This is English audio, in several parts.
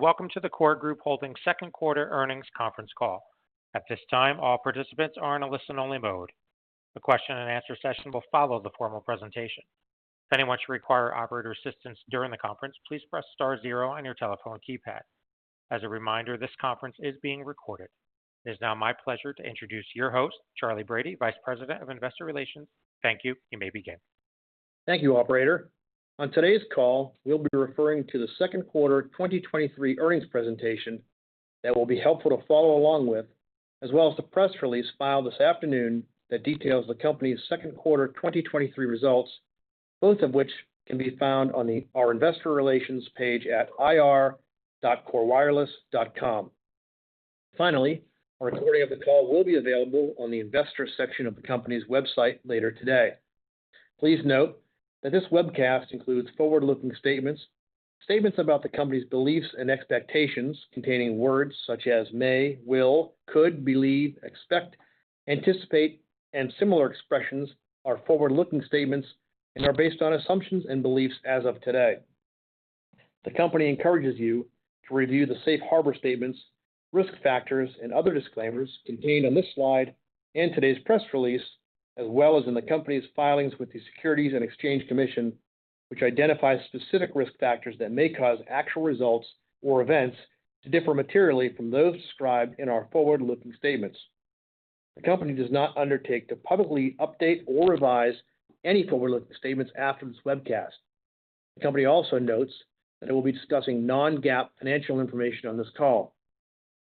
Welcome to the KORE Group Holdings second quarter earnings conference call. At this time, all participants are in a listen-only mode. The question and answer session will follow the formal presentation. If anyone should require operator assistance during the conference, please press star zero on your telephone keypad. As a reminder, this conference is being recorded. It is now my pleasure to introduce your host, Charley Brady, Vice President of Investor Relations. Thank you. You may begin. Thank you, operator. On today's call, we'll be referring to the second quarter 2023 earnings presentation that will be helpful to follow along with, as well as the press release filed this afternoon that details the company's second quarter 2023 results, both of which can be found on our investor relations page at ir.korewireless.com. Finally, a recording of the call will be available on the investor section of the company's website later today. Please note that this webcast includes forward-looking statements. Statements about the company's beliefs and expectations, containing words such as may, will, could, believe, expect, anticipate, and similar expressions are forward-looking statements and are based on assumptions and beliefs as of today. The company encourages you to review the safe harbor statements, risk factors, and other disclaimers contained on this slide and today's press release, as well as in the company's filings with the Securities and Exchange Commission, which identifies specific risk factors that may cause actual results or events to differ materially from those described in our forward-looking statements. The company does not undertake to publicly update or revise any forward-looking statements after this webcast. The company also notes that it will be discussing non-GAAP financial information on this call.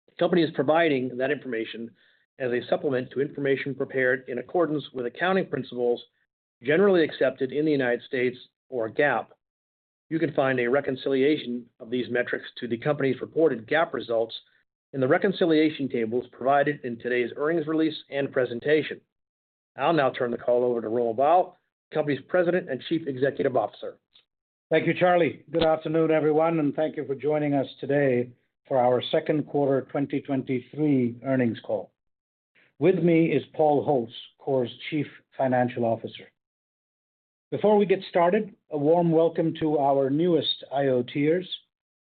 The company is providing that information as a supplement to information prepared in accordance with accounting principles generally accepted in the United States or GAAP. You can find a reconciliation of these metrics to the company's reported GAAP results in the reconciliation tables provided in today's earnings release and presentation. I'll now turn the call over to Romil Bahl, the company's President and Chief Executive Officer. Thank you, Charley. Good afternoon, everyone, thank you for joining us today for our 2nd quarter 2023 earnings call. With me is Paul Holtz, KORE's Chief Financial Officer. Before we get started, a warm welcome to our newest IoTers,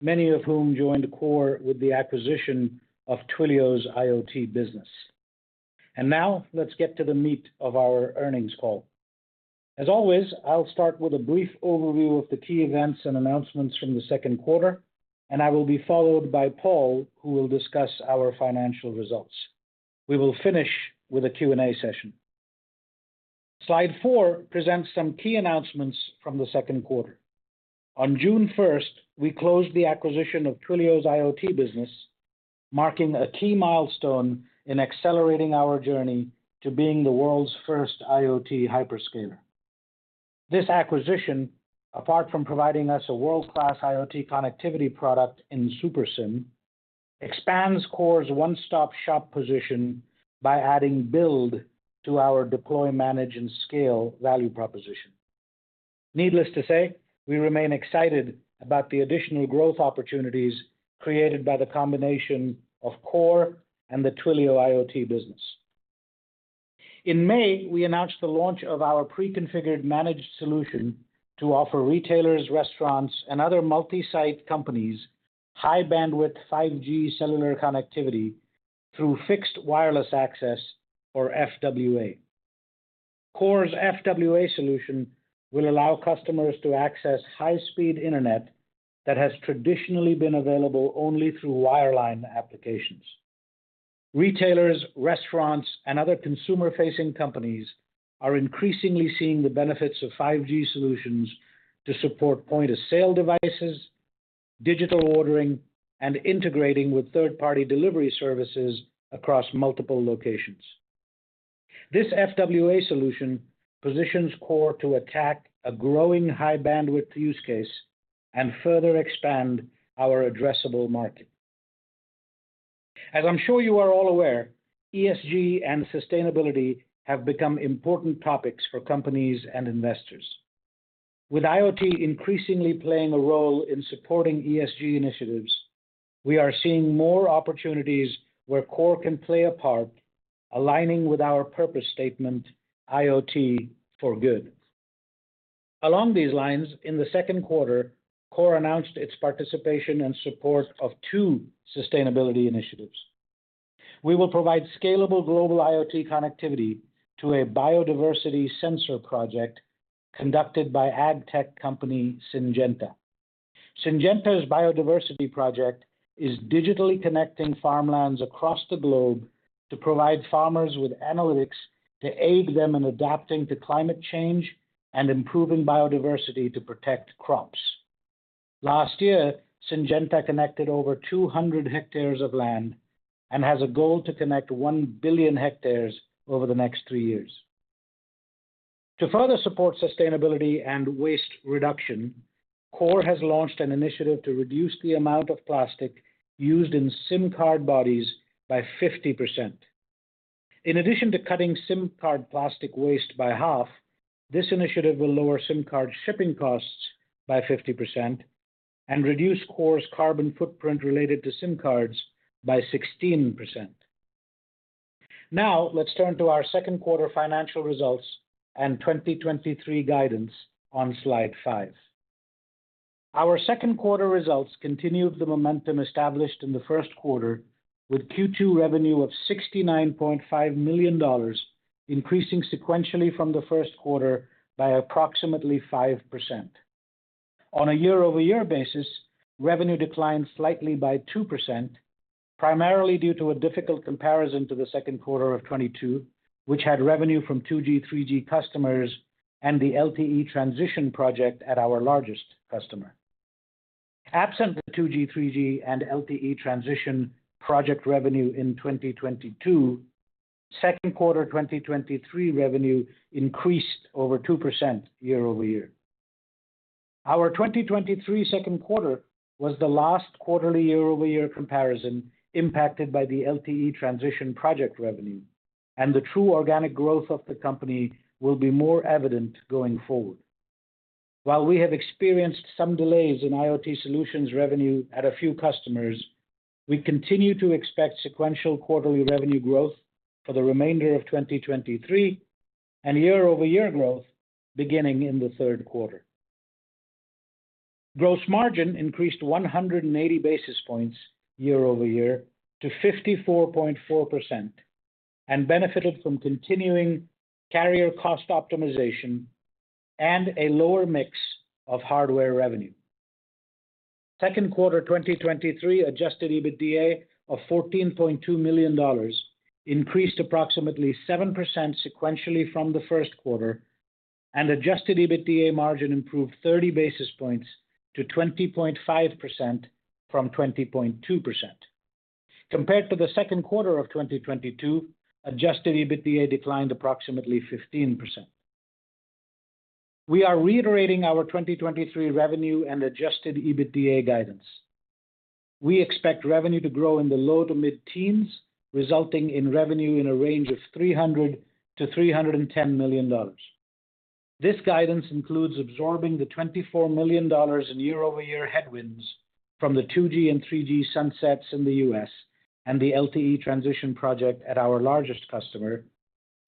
many of whom joined KORE with the acquisition of Twilio's IoT business. Now, let's get to the meat of our earnings call. As always, I'll start with a brief overview of the key events and announcements from the second quarter, I will be followed by Paul, who will discuss our financial results. We will finish with a Q&A session. Slide four presents some key announcements from the second quarter. On June 1st, we closed the acquisition of Twilio's IoT business, marking a key milestone in accelerating our journey to being the world's first IoT hyperscaler. This acquisition, apart from providing us a world-class IoT Connectivity product in Super SIM, expands KORE's one-stop-shop position by adding build to our deploy, manage, and scale value proposition. Needless to say, we remain excited about the additional growth opportunities created by the combination of KORE and the Twilio IoT business. In May, we announced the launch of our preconfigured managed solution to offer retailers, restaurants, and other multi-site companies high-bandwidth 5G cellular connectivity through fixed wireless access or FWA. KORE's FWA solution will allow customers to access high-speed internet that has traditionally been available only through wireline applications. Retailers, restaurants, and other consumer-facing companies are increasingly seeing the benefits of 5G solutions to support point-of-sale devices, digital ordering, and integrating with third-party delivery services across multiple locations. This FWA solution positions KORE to attack a growing high-bandwidth use case and further expand our addressable market. As I'm sure you are all aware, ESG and sustainability have become important topics for companies and investors. With IoT increasingly playing a role in supporting ESG initiatives, we are seeing more opportunities where KORE can play a part, aligning with our purpose statement, IoT for Good. Along these lines, in the second quarter, KORE announced its participation and support of two sustainability initiatives. We will provide scalable global IoT connectivity to a biodiversity sensor project conducted by AgTech company Syngenta. Syngenta's biodiversity project is digitally connecting farmlands across the globe to provide farmers with analytics to aid them in adapting to climate change and improving biodiversity to protect crops. Last year, Syngenta connected over 200 hectares of land and has a goal to connect 1 billion hectares over the next three years. To further support sustainability and waste reduction, KORE has launched an initiative to reduce the amount of plastic used in SIM card bodies by 50%. In addition to cutting SIM card plastic waste by half, this initiative will lower SIM card shipping costs by 50% and reduce KORE's carbon footprint related to SIM cards by 16%. Let's turn to our second quarter financial results and 2023 guidance on slide five. Our second quarter results continued the momentum established in the first quarter, with Q2 revenue of $69.5 million, increasing sequentially from the first quarter by approximately 5%. On a year-over-year basis, revenue declined slightly by 2%, primarily due to a difficult comparison to the second quarter of 2022, which had revenue from 2G/3G customers and the LTE transition project at our largest customer. Absent the 2G/3G and LTE transition project revenue in 2022, second quarter 2023 revenue increased over 2% year-over-year. Our 2023 2Q was the last quarterly year-over-year comparison impacted by the LTE transition project revenue, and the true organic growth of the company will be more evident going forward. While we have experienced some delays in IoT Solutions revenue at a few customers, we continue to expect sequential quarterly revenue growth for the remainder of 2023 and year-over-year growth beginning in the third quarter. Gross margin increased 180 basis points year-over-year to 54.4% and benefited from continuing carrier cost optimization and a lower mix of hardware revenue. Second quarter 2023 Adjusted EBITDA of $14.2 million increased approximately 7% sequentially from the first quarter, and Adjusted EBITDA margin improved 30 basis points to 20.5% from 20.2%. Compared to the second quarter of 2022, Adjusted EBITDA declined approximately 15%. We are reiterating our 2023 revenue and Adjusted EBITDA guidance. We expect revenue to grow in the low to mid-teens, resulting in revenue in a range of $300 million-$310 million. This guidance includes absorbing the $24 million in year-over-year headwinds from the 2G and 3G sunsets in the U.S. and the LTE transition project at our largest customer,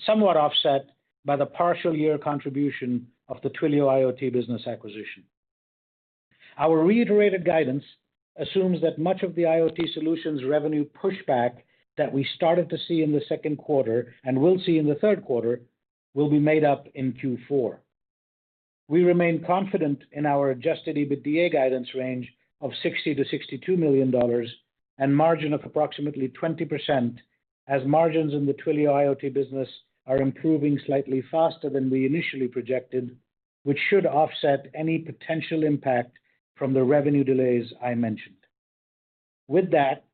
somewhat offset by the partial year contribution of the Twilio IoT business acquisition. Our reiterated guidance assumes that much of the IoT Solutions revenue pushback that we started to see in the second quarter, and will see in the third quarter, will be made up in Q4. We remain confident in our Adjusted EBITDA guidance range of $60 million-$62 million and margin of approximately 20%, as margins in the Twilio IoT business are improving slightly faster than we initially projected, which should offset any potential impact from the revenue delays I mentioned. With that,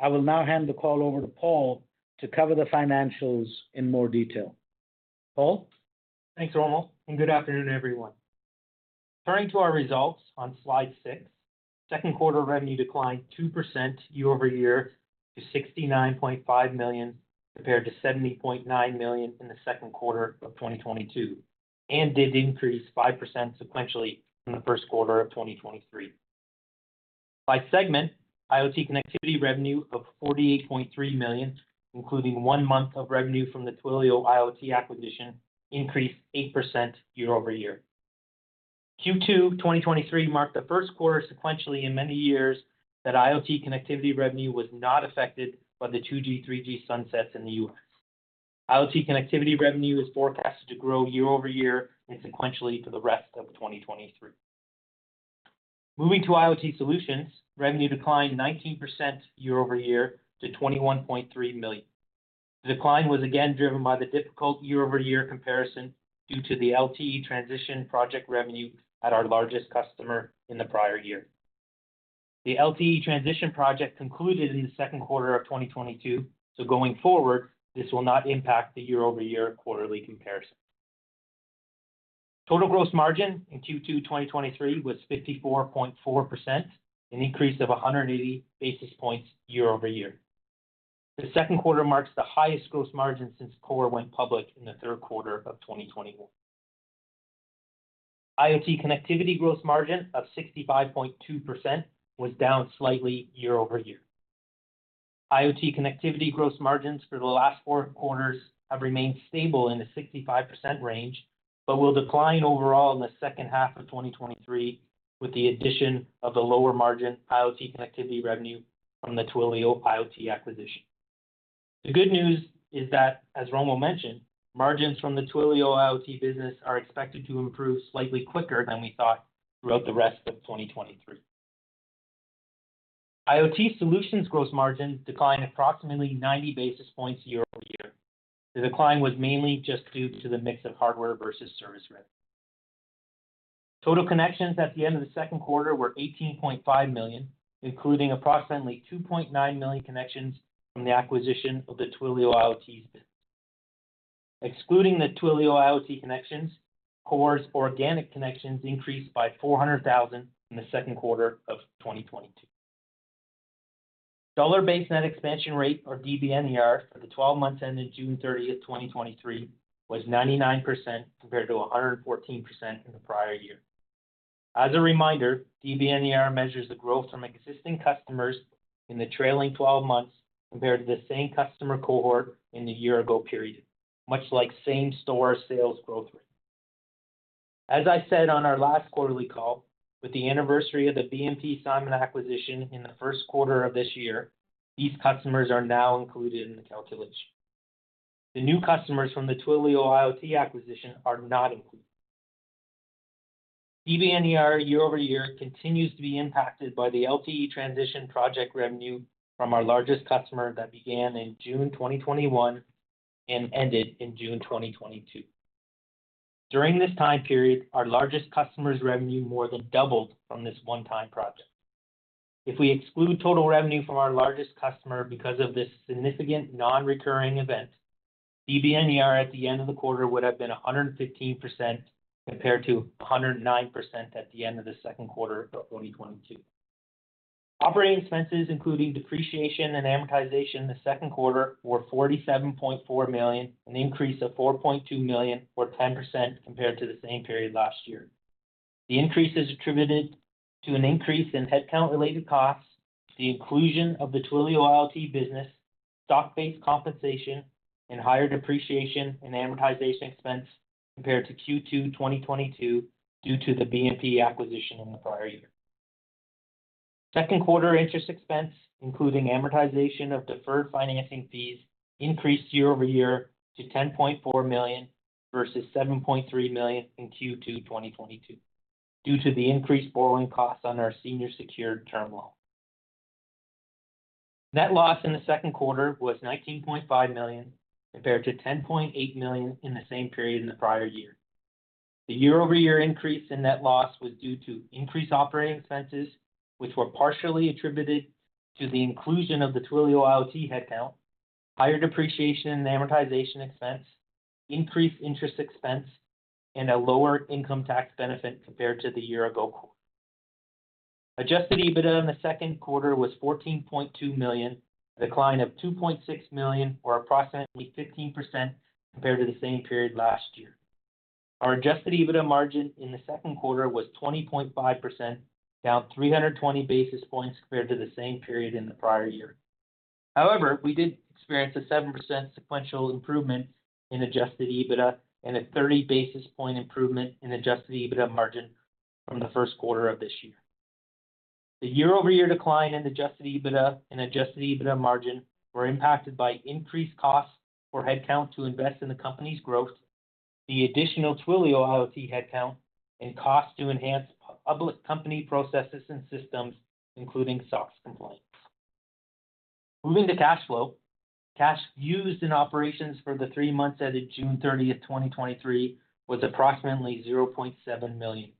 I will now hand the call over to Paul to cover the financials in more detail. Paul? Thanks, Romil, and good afternoon, everyone. Turning to our results on Slide six, second quarter revenue declined 2% year-over-year to $69.5 million, compared to $70.9 million in the second quarter of 2022, and did increase 5% sequentially from the first quarter of 2023. By segment, IoT Connectivity revenue of $48.3 million, including one month of revenue from the Twilio IoT acquisition, increased 8% year-over-year. Q2 2023 marked the first quarter sequentially in many years that IoT Connectivity revenue was not affected by the 2G/3G sunsets in the U.S. IoT Connectivity revenue is forecasted to grow year-over-year and sequentially for the rest of 2023. Moving to IoT Solutions, revenue declined 19% year-over-year to $21.3 million. The decline was again driven by the difficult year-over-year comparison due to the LTE transition project revenue at our largest customer in the prior year. The LTE transition project concluded in the second quarter of 2022. Going forward, this will not impact the year-over-year quarterly comparison. Total gross margin in Q2 2023 was 54.4%, an increase of 180 basis points year-over-year. The second quarter marks the highest gross margin since KORE went public in the third quarter of 2021. IoT connectivity gross margin of 65.2% was down slightly year-over-year. IoT connectivity gross margins for the last four quarters have remained stable in the 65% range, will decline overall in the second half of 2023, with the addition of the lower margin IoT connectivity revenue from the Twilio IoT acquisition. The good news is that, as Romil mentioned, margins from the Twilio IoT business are expected to improve slightly quicker than we thought throughout the rest of 2023. IoT Solutions gross margin declined approximately 90 basis points year-over-year. The decline was mainly just due to the mix of hardware versus service revenue. Total connections at the end of the second quarter were 18.5 million, including approximately 2.9 million connections from the acquisition of the Twilio IoT business. Excluding the Twilio IoT connections, KORE's organic connections increased by 400,000 in the second quarter of 2022. Dollar-Based Net Expansion Rate, or DBNER, for the 12 months ending June 30, 2023, was 99%, compared to 114% in the prior year. As a reminder, DBNER measures the growth from existing customers in the trailing 12 months compared to the same customer cohort in the year ago period, much like same-store sales growth rate. As I said on our last quarterly call, with the anniversary of the BMP Simon acquisition in the first quarter of this year, these customers are now included in the calculation. The new customers from the Twilio IoT acquisition are not included. DBNER year-over-year continues to be impacted by the LTE transition project revenue from our largest customer that began in June 2021 and ended in June 2022. During this time period, our largest customer's revenue more than doubled from this one-time project. If we exclude total revenue from our largest customer because of this significant non-recurring event, DBNER at the end of the quarter would have been 115%, compared to 109% at the end of the second quarter of 2022. Operating expenses, including depreciation and amortization in the second quarter, were $47.4 million, an increase of $4.2 million, or 10% compared to the same period last year. The increase is attributed to an increase in headcount-related costs, the inclusion of the Twilio IoT business, stock-based compensation, and higher depreciation and amortization expense compared to Q2 2022 due to the BMP acquisition in the prior year. Second quarter interest expense, including amortization of deferred financing fees, increased year-over-year to $10.4 million versus $7.3 million in Q2 2022, due to the increased borrowing costs on our senior secured term loan. Net loss in the second quarter was $19.5 million, compared to $10.8 million in the same period in the prior year. The year-over-year increase in net loss was due to increased operating expenses, which were partially attributed to the inclusion of the Twilio IoT headcount, higher depreciation and amortization expense, increased interest expense, and a lower income tax benefit compared to the year-ago quarter. Adjusted EBITDA in the second quarter was $14.2 million, a decline of $2.6 million, or approximately 15% compared to the same period last year. Our Adjusted EBITDA margin in the second quarter was 20.5%, down 320 basis points compared to the same period in the prior year. However, we did experience a 7% sequential improvement in Adjusted EBITDA and a 30 basis point improvement in Adjusted EBITDA margin from the first quarter of this year. The year-over-year decline in Adjusted EBITDA and Adjusted EBITDA margin were impacted by increased costs for headcount to invest in the company's growth, the additional Twilio IoT headcount, and costs to enhance public company processes and systems, including SOX compliance. Moving to cash flow. Cash used in operations for the three months ended June 30, 2023, was approximately $0.7 million,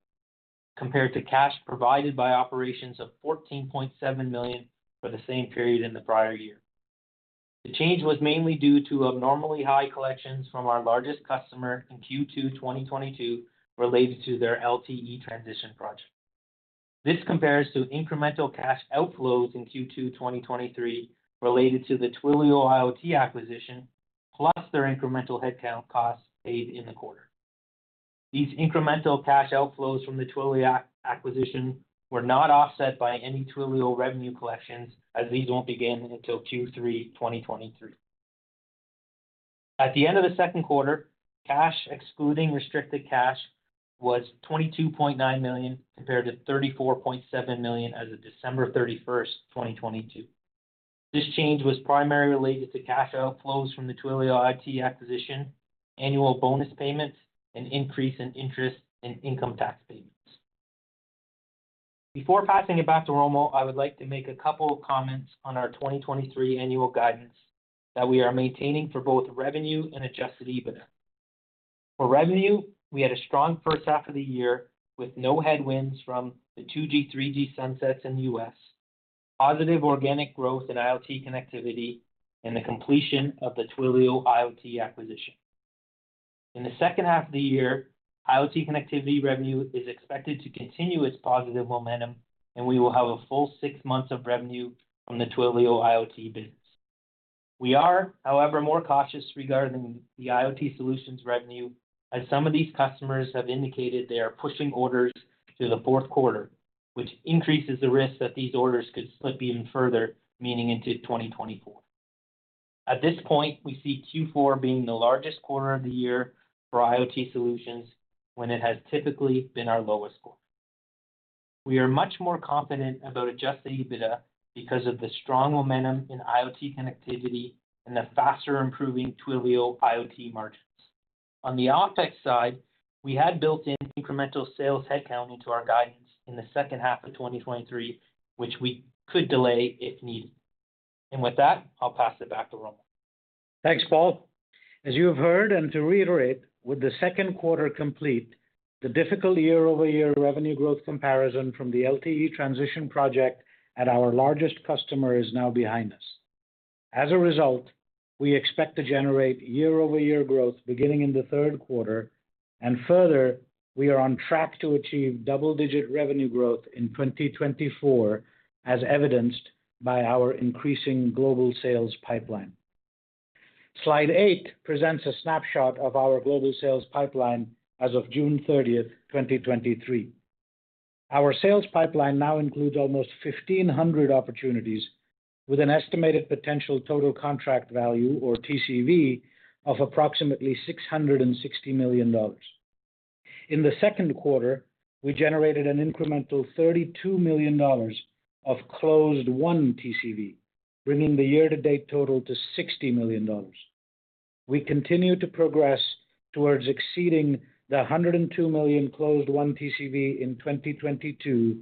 compared to cash provided by operations of $14.7 million for the same period in the prior year. The change was mainly due to abnormally high collections from our largest customer in Q2 2022 related to their LTE transition project. This compares to incremental cash outflows in Q2 2023, related to the Twilio IoT acquisition, plus their incremental headcount costs paid in the quarter. These incremental cash outflows from the Twilio acquisition were not offset by any Twilio revenue collections, as these won't begin until Q3 2023. At the end of the second quarter, cash, excluding restricted cash, was $22.9 million, compared to $34.7 million as of December 31, 2022. This change was primarily related to cash outflows from the Twilio IoT acquisition, annual bonus payments, and increase in interest and income tax payments. Before passing it back to Romil, I would like to make a couple of comments on our 2023 annual guidance that we are maintaining for both revenue and Adjusted EBITDA. For revenue, we had a strong first half of the year with no headwinds from the 2G, 3G sunsets in the U.S., positive organic growth in IoT Connectivity, and the completion of the Twilio IoT acquisition. In the second half of the year, IoT Connectivity revenue is expected to continue its positive momentum, and we will have a full six months of revenue from the Twilio IoT business. We are, however, more cautious regarding the IoT Solutions revenue, as some of these customers have indicated they are pushing orders to the fourth quarter, which increases the risk that these orders could slip even further, meaning into 2024. At this point, we see Q4 being the largest quarter of the year for IoT Solutions, when it has typically been our lowest quarter. We are much more confident about Adjusted EBITDA because of the strong momentum in IoT Connectivity and the faster improving Twilio IoT margins. On the OpEx side, we had built in incremental sales headcount into our guidance in the second half of 2023, which we could delay if needed. With that, I'll pass it back to Romil. Thanks, Paul. As you have heard, and to reiterate, with the second quarter complete, the difficult year-over-year revenue growth comparison from the LTE transition project at our largest customer is now behind us. Further, we are on track to achieve double-digit revenue growth in 2024, as evidenced by our increasing global sales pipeline. Slide eight presents a snapshot of our global sales pipeline as of June 30, 2023. Our sales pipeline now includes almost 1,500 opportunities, with an estimated potential total contract value, or TCV, of approximately $660 million. In the second quarter, we generated an incremental $32 million of closed-won TCV, bringing the year-to-date total to $60 million. We continue to progress towards exceeding the $102 million closed-won TCV in 2022,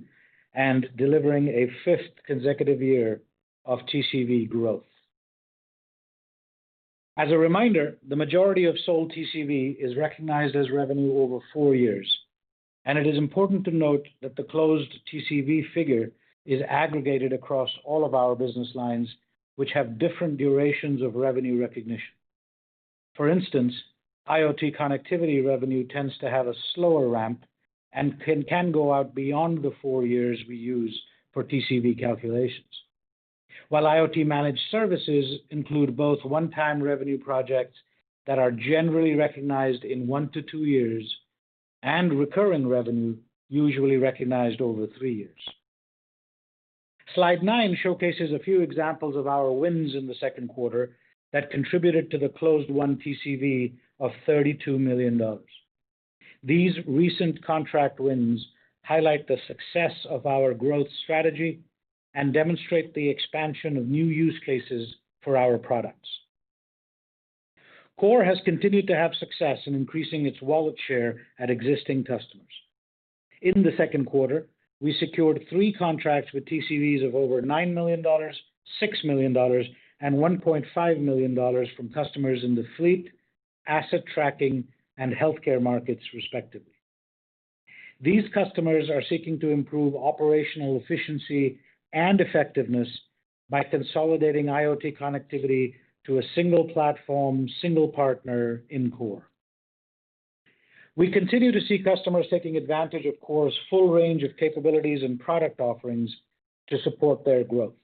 and delivering a fifth consecutive year of TCV growth. As a reminder, the majority of sold TCV is recognized as revenue over four years, and it is important to note that the closed TCV figure is aggregated across all of our business lines, which have different durations of revenue recognition. For instance, IoT Connectivity revenue tends to have a slower ramp and can go out beyond the four years we use for TCV calculations. While IoT managed services include both one-time revenue projects that are generally recognized in one-two years, and recurring revenue usually recognized over three years. Slide nine showcases a few examples of our wins in the second quarter that contributed to the closed-won TCV of $32 million. These recent contract wins highlight the success of our growth strategy and demonstrate the expansion of new use cases for our products. KORE has continued to have success in increasing its wallet share at existing customers. In the second quarter, we secured three contracts with TCVs of over $9 million, $6 million, and $1.5 million from customers in the fleet, asset tracking, and healthcare markets, respectively. These customers are seeking to improve operational efficiency and effectiveness by consolidating IoT Connectivity to a single platform, single partner in KORE. We continue to see customers taking advantage of KORE's full range of capabilities and product offerings to support their growth.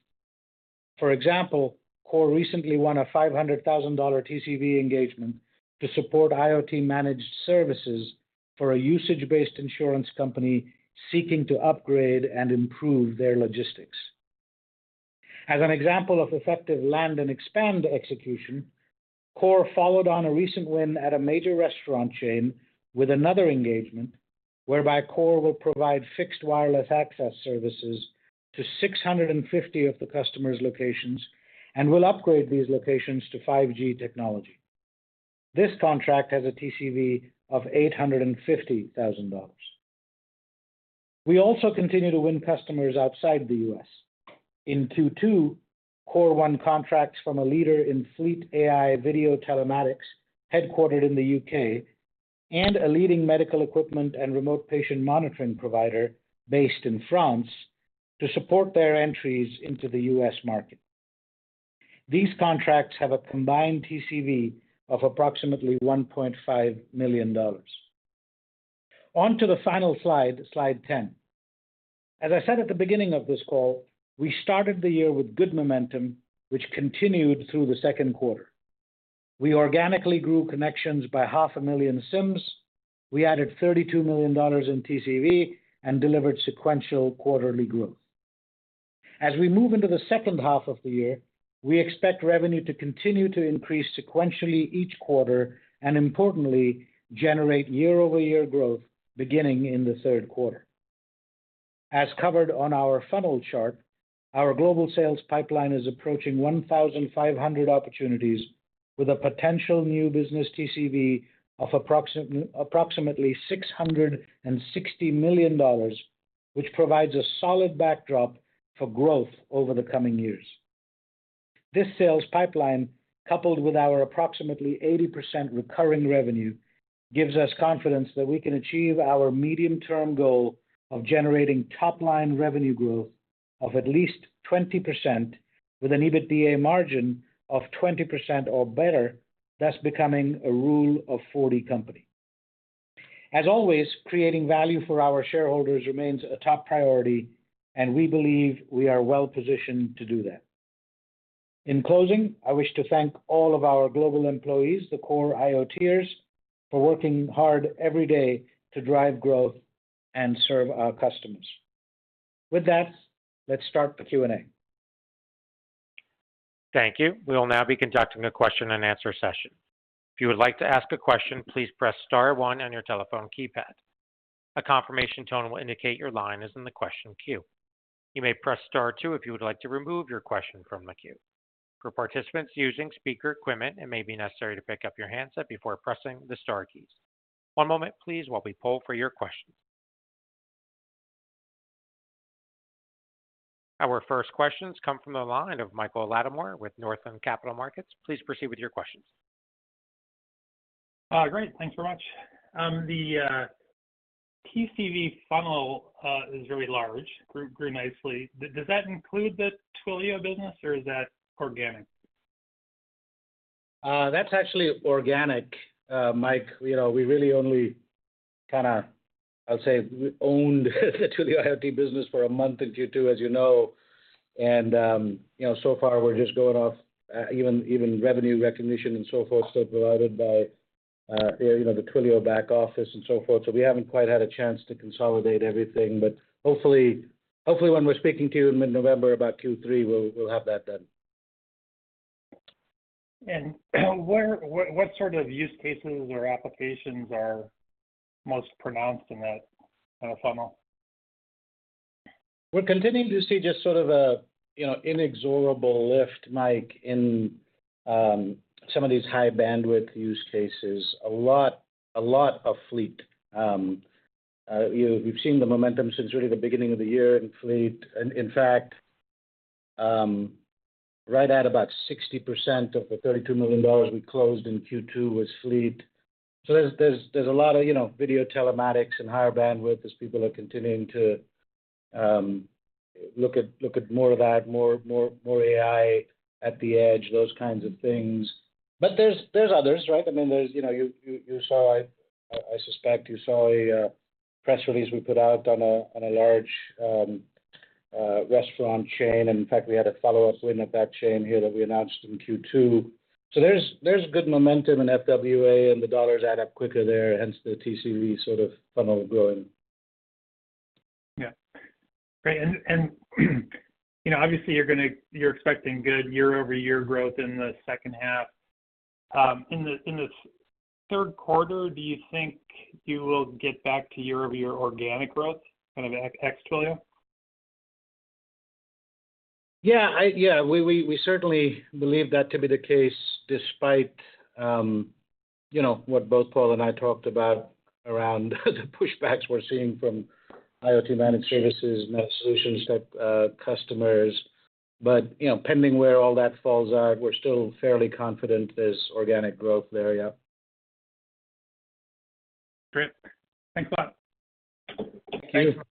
For example, KORE recently won a $500,000 TCV engagement to support IoT managed services for a usage-based insurance company seeking to upgrade and improve their logistics. As an example of effective land and expand execution, KORE followed on a recent win at a major restaurant chain with another engagement, whereby KORE will provide fixed wireless access services to 650 of the customer's locations and will upgrade these locations to 5G technology. This contract has a TCV of $850,000. We also continue to win customers outside the U.S. In Q2, KORE won contracts from a leader in fleet AI video telematics, headquartered in the U.K., and a leading medical equipment and remote patient monitoring provider based in France, to support their entries into the U.S. market. These contracts have a combined TCV of approximately $1.5 million. On to the final slide, slide 10. As I said at the beginning of this call, we started the year with good momentum, which continued through the second quarter. We organically grew connections by 500,000 SIMs. We added $32 million in TCV and delivered sequential quarterly growth. We move into the second half of the year, we expect revenue to continue to increase sequentially each quarter and importantly, generate year-over-year growth beginning in the third quarter. Covered on our funnel chart, our global sales pipeline is approaching 1,500 opportunities, with a potential new business TCV of approximately $660 million, which provides a solid backdrop for growth over the coming years. This sales pipeline, coupled with our approximately 80% recurring revenue, gives us confidence that we can achieve our medium-term goal of generating top-line revenue growth of at least 20%, with an EBITDA margin of 20% or better, thus becoming a Rule of 40 company. As always, creating value for our shareholders remains a top priority, and we believe we are well positioned to do that. In closing, I wish to thank all of our global employees, the KORE IoTers, for working hard every day to drive growth and serve our customers. With that, let's start the Q&A. Thank you. We will now be conducting a question-and-answer session. If you would like to ask a question, please press star one on your telephone keypad. A confirmation tone will indicate your line is in the question queue. You may press star two if you would like to remove your question from the queue. For participants using speaker equipment, it may be necessary to pick up your handset before pressing the star keys. One moment please, while we poll for your questions. Our first questions come from the line of Michael Latimore with Northland Capital Markets. Please proceed with your questions. Great, thanks very much. The TCV funnel is very large, grew, grew nicely. Does that include the Twilio business or is that organic? That's actually organic, Mike. You know, we really only kind of, I'd say, owned the Twilio IoT business for a month in Q2, as you know, and, you know, so far, we're just going off, even, even revenue recognition and so forth, so provided by, you know, the Twilio back office and so forth. We haven't quite had a chance to consolidate everything, but hopefully, hopefully, when we're speaking to you in mid-November about Q3, we'll, we'll have that done. What, what sort of use cases or applications are most pronounced in that funnel? We're continuing to see just sort of a, you know, inexorable lift, Mike, in some of these high bandwidth use cases. A lot, a lot of fleet. We've seen the momentum since really the beginning of the year in fleet. In fact, right at about 60% of the $32 million we closed in Q2 was fleet. There's, there's, there's a lot of, you know, video telematics and higher bandwidth as people are continuing to look at, look at more of that, more, more, more AI at the edge, those kinds of things. There's, there's others, right? I mean, there's, you know, you, you, you saw, I, I suspect you saw a press release we put out on a, on a large restaurant chain. In fact, we had a follow-up win at that chain here that we announced in Q2. There's good momentum in FWA, and the dollars add up quicker there, hence the TCV sort of funnel growing. Yeah. Great. You know, obviously, you're expecting good year-over-year growth in the second half. In the third quarter, do you think you will get back to year-over-year organic growth, kind of, ex-Twilio? Yeah, yeah, we, we, we certainly believe that to be the case, despite, you know, what both Paul and I talked about around the pushbacks we're seeing from IoT managed services and IoT Solutions type customers. You know, pending where all that falls out, we're still fairly confident there's organic growth there. Yeah. Great. Thanks a lot. Thank you.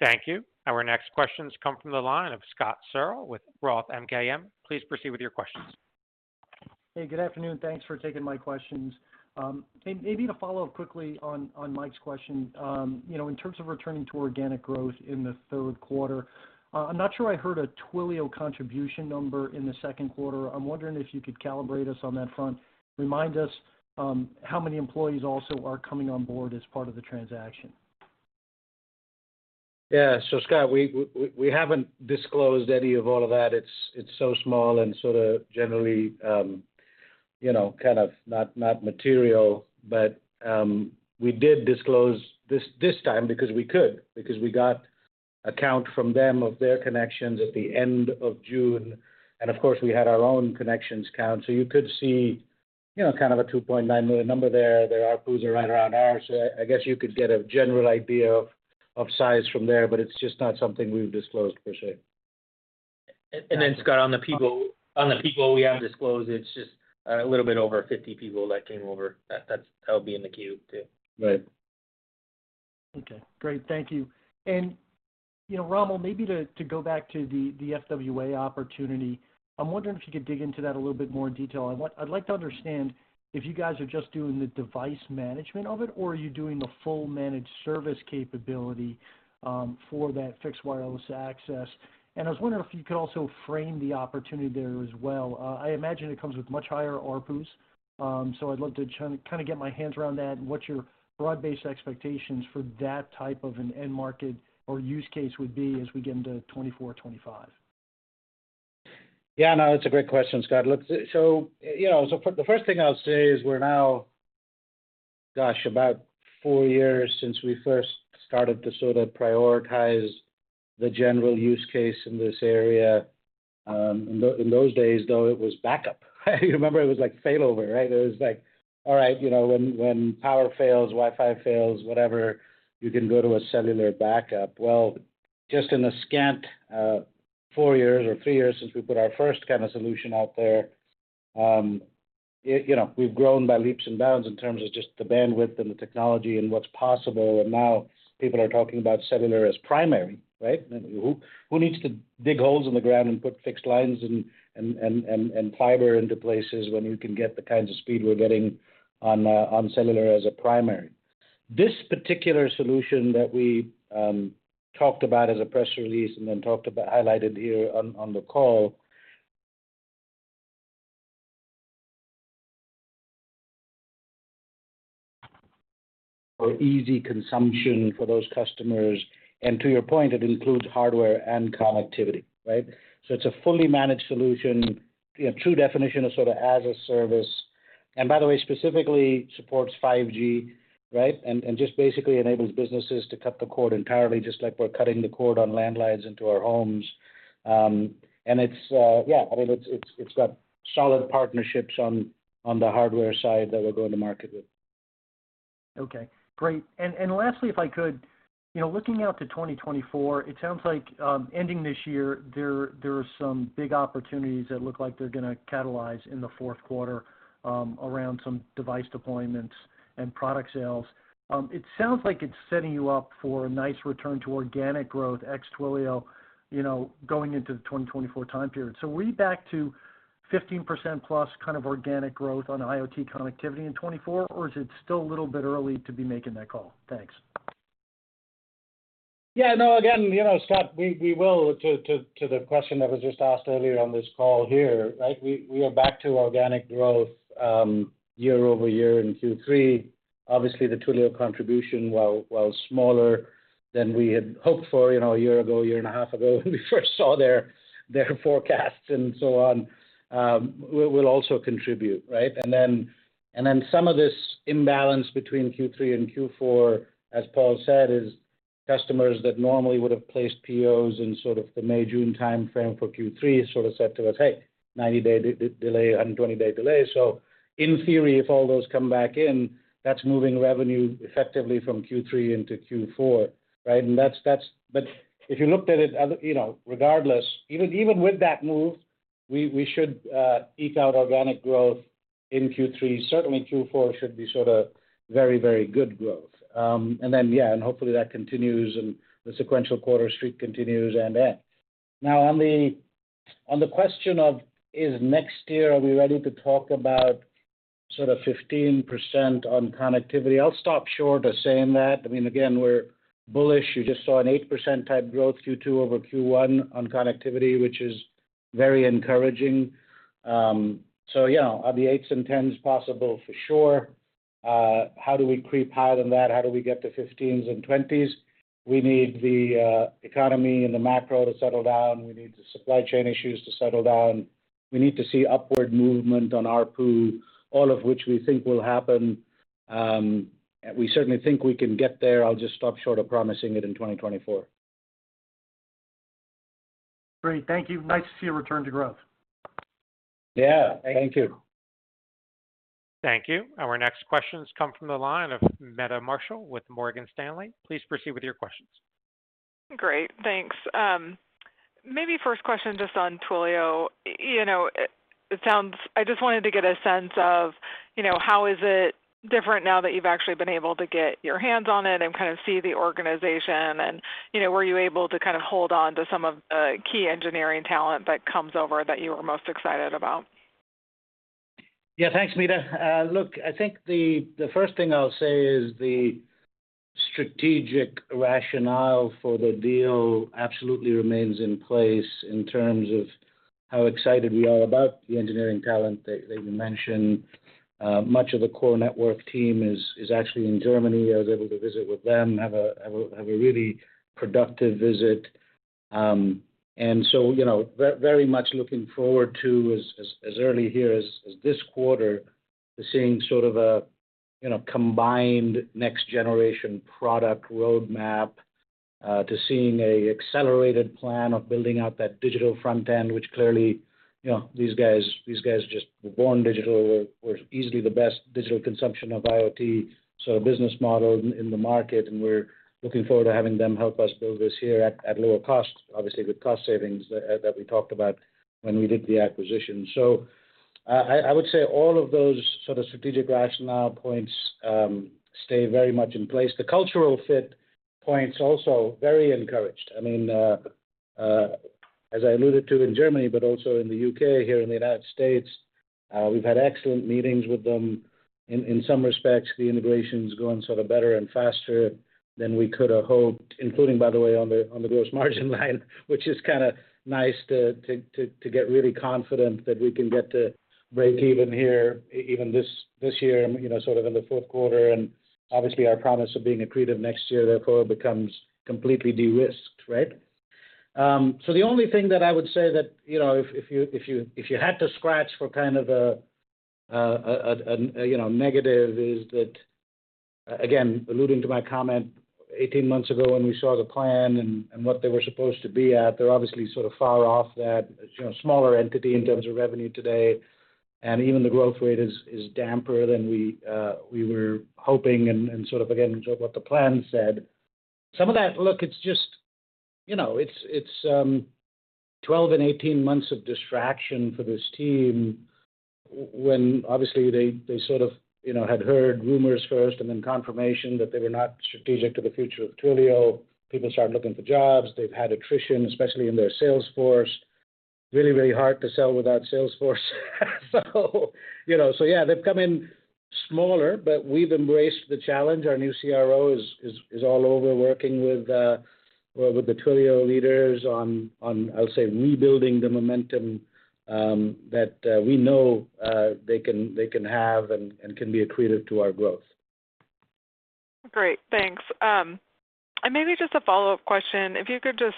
Thank you. Our next questions come from the line of Scott Searle with ROTH MKM. Please proceed with your questions. Hey, good afternoon. Thanks for taking my questions. Maybe to follow up quickly on, on Mike's question, you know, in terms of returning to organic growth in the third quarter, I'm not sure I heard a Twilio contribution number in the second quarter. I'm wondering if you could calibrate us on that front. Remind us, how many employees also are coming on board as part of the transaction? Yeah. Scott, we, we haven't disclosed any of all of that. It's, it's so small and sort of generally, you know, kind of, not, not material. We did disclose this, this time because we could, because we got a count from them of their connections at the end of June, and of course, we had our own connections count. You could see, you know, kind of a 2.9 million number there. Their ARPU is right around ours. I guess you could get a general idea of size from there, but it's just not something we've disclosed per se. Scott, on the people, on the people we have disclosed, it's just a little bit over 50 people that came over. That'll be in the queue, too. Right. Okay, great. Thank you. You know, Romil, maybe to, to go back to the, the FWA opportunity, I'm wondering if you could dig into that a little bit more in detail. I'd like to understand if you guys are just doing the device management of it, or are you doing the full managed service capability for that fixed wireless access? I was wondering if you could also frame the opportunity there as well. I imagine it comes with much higher ARPUs, so I'd love to try to kind of get my hands around that and what your broad-based expectations for that type of an end market or use case would be as we get into 2024, 2025. No, that's a great question, Scott. Look, you know, the first thing I'll say is we're now, gosh, about four years since we first started to sort of prioritize the general use case in this area. In those days, though, it was backup. I remember it was like failover, right? It was like, all right, you know, when, when power fails, Wi-Fi fails, whatever, you can go to a cellular backup. Well, just in a scant four years or three years since we put our first kind of solution out there, it, you know, we've grown by leaps and bounds in terms of just the bandwidth and the technology and what's possible, and now people are talking about cellular as primary, right? Who, who needs to dig holes in the ground and put fixed lines and, and, and, and, and fiber into places when you can get the kinds of speed we're getting on cellular as a primary? This particular solution that we talked about as a press release and then talked about, highlighted here on, on the call, for easy consumption for those customers, and to your point, it includes hardware and connectivity, right? It's a fully managed solution, you know, true definition of sort of as a service, and by the way, specifically supports 5G, right? Just basically enables businesses to cut the cord entirely, just like we're cutting the cord on landlines into our homes. Yeah, I mean, it's, it's, it's got solid partnerships on, on the hardware side that we're going to market with. Okay, great. Lastly, if I could, you know, looking out to 2024, it sounds like, ending this year, there, there are some big opportunities that look like they're gonna catalyze in the fourth quarter, around some device deployments and product sales. It sounds like it's setting you up for a nice return to organic growth, ex-Twilio, you know, going into the 2024 time period. Are we back to 15%+ kind of organic growth on IoT Connectivity in 2024, or is it still a little bit early to be making that call? Thanks. Yeah, no. Again, you know, Scott, we will, to the question that was just asked earlier on this call here, right? We are back to organic growth, year-over-year in Q3. Obviously, the Twilio contribution, while smaller than we had hoped for, you know, a year ago, a year and a half ago, when we first saw their forecasts and so on, will also contribute, right? Then, some of this imbalance between Q3 and Q4, as Paul said, is customers that normally would have placed POs in sort of the May, June time frame for Q3, sort of said to us, "Hey, 90-day delay, 120-day delay." In theory, if all those come back in, that's moving revenue effectively from Q3 into Q4, right? If you looked at it as, you know, regardless, even, even with that move, we, we should eke out organic growth in Q3. Certainly, Q4 should be sort of very, very good growth. Yeah, hopefully that continues and the sequential quarter streak continues, and end. Now, on the, on the question of, is next year, are we ready to talk about sort of 15% on connectivity? I'll stop short of saying that. I mean, again, we're bullish. You just saw an 8% type growth, Q2 over Q1 on connectivity, which is very encouraging. Yeah, are the 8s and 10s possible? For sure. How do we creep higher than that? How do we get to 15s and 20s? We need the economy and the macro to settle down. We need the supply chain issues to settle down. We need to see upward movement on ARPU, all of which we think will happen. We certainly think we can get there. I'll just stop short of promising it in 2024. Great. Thank you. Nice to see a return to growth. Yeah. Thank you. Thank you. Our next questions come from the line of Meta Marshall with Morgan Stanley. Please proceed with your questions. Great, thanks. Maybe first question, just on Twilio. You know, I just wanted to get a sense of, you know, how is it different now that you've actually been able to get your hands on it and kind of see the organization and, you know, were you able to kind of hold on to some of key engineering talent that comes over that you were most excited about? Yeah. Thanks, Meta. Look, I think the, the first thing I'll say is the strategic rationale for the deal absolutely remains in place in terms of how excited we are about the engineering talent that, that you mentioned. Much of the KORE network team is, is actually in Germany. I was able to visit with them, have a, have a, have a really productive visit. You know, very much looking forward to, as early here as this quarter, to seeing sort of a, you know, combined next-generation product roadmap, to seeing an accelerated plan of building out that digital front end, which clearly, you know, these guys, these guys just were born digital, were easily the best digital consumption of IoT, so business model in the market, and we're looking forward to having them help us build this here at lower cost. Obviously, good cost savings that we talked about when we did the acquisition. I would say all of those sort of strategic rationale points stay very much in place. The cultural fit points also very encouraged. I mean, as I alluded to in Germany, but also in the U.K., here in the United States, we've had excellent meetings with them. In some respects, the integration's going sort of better and faster than we could have hoped, including, by the way, on the, on the gross margin line, which is kind of nice to, to, to, to get really confident that we can get to breakeven here, even this, this year, you know, sort of in the fourth quarter. Obviously, our promise of being accretive next year, therefore, becomes completely de-risked, right? The only thing that I would say that, you know, if, if you, if you, if you had to scratch for kind of a, a, a, you know, negative is that, again, alluding to my comment 18 months ago when we saw the plan and, and what they were supposed to be at, they're obviously sort of far off that, you know, smaller entity in terms of revenue today, and even the growth rate is, is damper than we, we were hoping and, and sort of again, what the plan said. Some of that. Look, it's just, you know, it's, it's, 12 and 18 months of distraction for this team, when obviously they, they sort of, you know, had heard rumors first and then confirmation that they were not strategic to the future of Twilio. People started looking for jobs. They've had attrition, especially in their sales force. Really, really hard to sell without sales force. You know, so yeah, they've come in smaller, but we've embraced the challenge. Our new CRO is, is, is all over working with, with the Twilio leaders on, on, I'll say, rebuilding the momentum, that we know, they can, they can have and, and can be accretive to our growth. Great, thanks. Maybe just a follow-up question. If you could just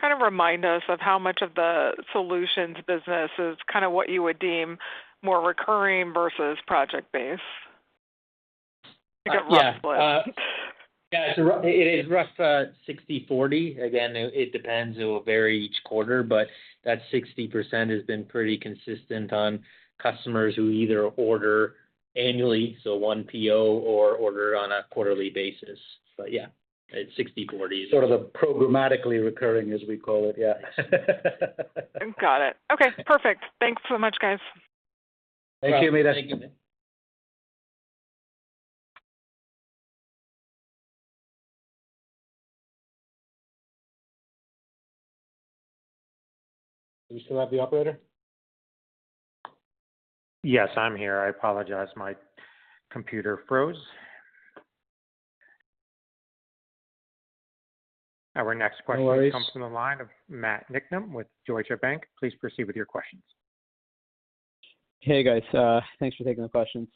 kind of remind us of how much of the solutions business is kind of what you would deem more recurring versus project-based? Like, a rough split. Yeah. Yeah, it's a rough, it is rough, 60/40. Again, it depends. It will vary each quarter, but that 60% has been pretty consistent on customers who either order annually, so 1 PO, or order on a quarterly basis. Yeah, it's 60/40. Sort of a programmatically recurring, as we call it. Yeah. Got it. Okay, perfect. Thanks so much, guys. Thank you, Meta. Do you still have the operator? Yes, I'm here. I apologize, my computer froze. Our next question- Always comes from the line of Matthew Niknam with Deutsche Bank. Please proceed with your questions. Hey, guys. Thanks for taking the question.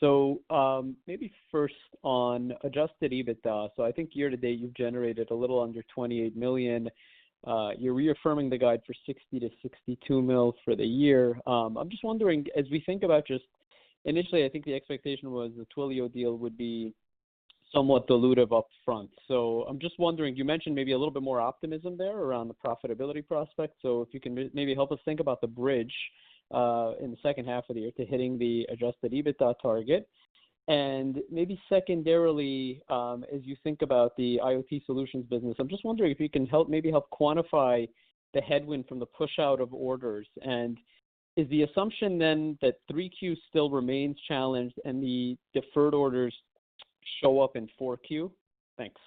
Maybe first on Adjusted EBITDA. I think year-to-date, you've generated a little under $28 million. You're reaffirming the guide for $60 million-$62 million for the year. I'm just wondering, as we think about initially, I think the expectation was the Twilio deal would be somewhat dilutive upfront. I'm just wondering, you mentioned maybe a little bit more optimism there around the profitability prospect. If you can maybe help us think about the bridge, in the second half of the year to hitting the Adjusted EBITDA target. Maybe secondarily, as you think about the IoT Solutions business, I'm just wondering if you can maybe help quantify the headwind from the pushout of orders? Is the assumption then that 3Q still remains challenged and the deferred orders show up in 4Q? Thanks.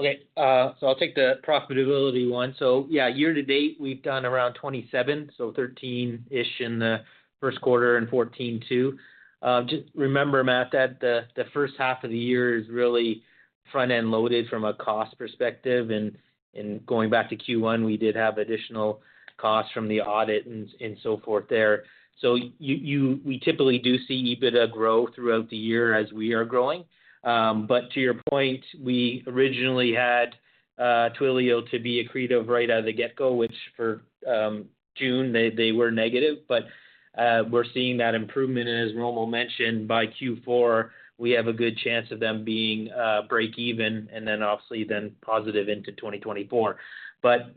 I'll take the profitability one. Yeah, year to date, we've done around $27 million, so $13 million-ish in the 1st quarter and $14.2 million. Just remember, Matt, that the first half of the year is really front-end loaded from a cost perspective, and going back to Q1, we did have additional costs from the audit and so forth there. You, we typically do see EBITDA grow throughout the year as we are growing. But to your point, we originally had Twilio to be accretive right out of the get-go, which for June, they were negative, but we're seeing that improvement. As Romil mentioned, by Q4, we have a good chance of them being break even, and then obviously, then positive into 2024.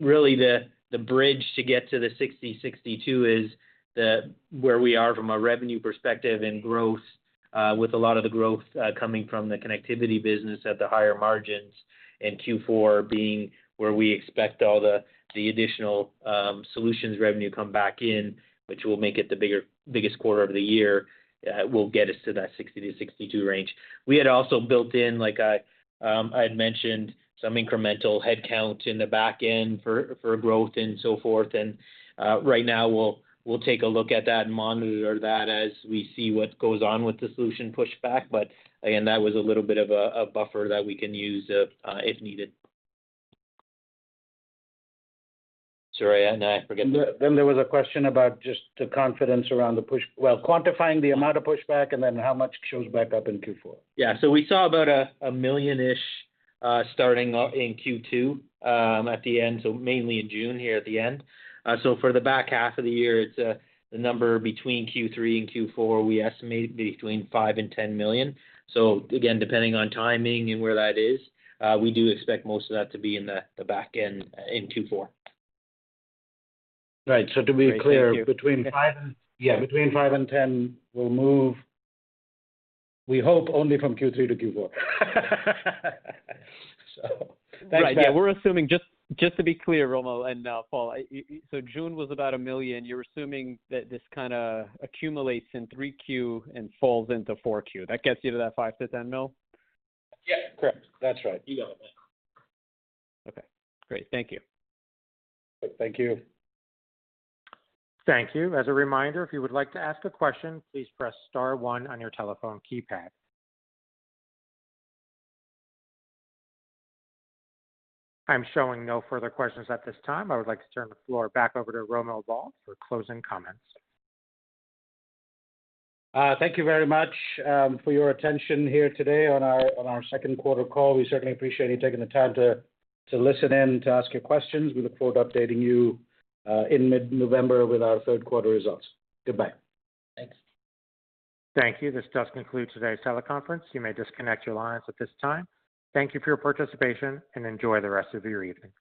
Really, the bridge to get to the 60-62 is the, where we are from a revenue perspective and growth, with a lot of the growth coming from the connectivity business at the higher margins, and Q4 being where we expect all the additional solutions revenue to come back in, which will make it the biggest quarter of the year, will get us to that 60-62 range. We had also built in, like I had mentioned, some incremental headcount in the back end for growth and so forth, and right now, we'll take a look at that and monitor that as we see what goes on with the solution pushback. Again, that was a little bit of a buffer that we can use if needed. Sorry, I forget. Then there was a question about just the confidence around the push. Well, quantifying the amount of pushback and then how much shows back up in Q4. Yeah. We saw about a, $1 million-ish, starting off in Q2, at the end, so mainly in June here at the end. For the back half of the year, it's, the number between Q3 and Q4, we estimate between $5 million-$10 million. Again, depending on timing and where that is, we do expect most of that to be in the back end in Q4. Right. Great. Thank you. To be clear, between five. Yeah. Between five and 10 will move, we hope, only from Q3 to Q4. Thanks, Matt. Right. Yeah, we're assuming... Just, just to be clear, Romil and Paul, so June was about $1 million. You're assuming that this kind of accumulates in 3Q and falls into 4Q. That gets you to that $5 million-$10 million? Yeah. Correct. That's right. You got it, Matt. Okay, great. Thank you. Thank you. Thank you. As a reminder, if you would like to ask a question, please press star one on your telephone keypad. I'm showing no further questions at this time. I would like to turn the floor back over to Romil Bahl for closing comments. Thank you very much for your attention here today on our second quarter call. We certainly appreciate you taking the time to listen in, to ask your questions. We look forward to updating you in mid-November with our third-quarter results. Goodbye. Thanks. Thank you. This does conclude today's teleconference. You may disconnect your lines at this time. Thank you for your participation, and enjoy the rest of your evening.